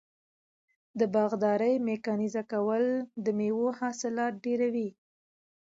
د باغدارۍ میکانیزه کول د میوو حاصلات ډیروي.